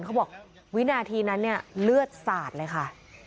เขาบอกวินาทีนั้นเนี่ยเลือดสาดเลยค่ะ